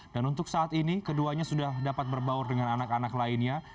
dan untuk saat ini keduanya sudah dapat berbaur dengan anak anak lainnya